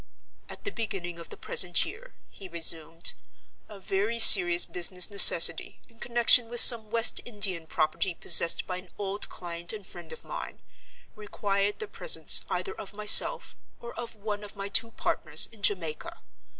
"At the beginning of the present year," he resumed, "a very serious business necessity, in connection with some West Indian property possessed by an old client and friend of mine, required the presence either of myself, or of one of my two partners, in Jamaica.